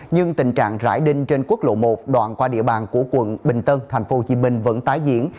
nhưng tình trạng rải đinh trên quốc lộ một đoạn qua địa bàn của quận bình tân tp hcm vẫn tái diễn